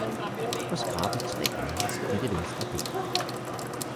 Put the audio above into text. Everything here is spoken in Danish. og skrabe tre gange med det venstre ben.